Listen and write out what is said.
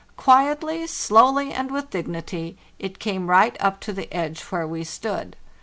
Quietly, slowly, and with dignity it came right up to the edge where we stood.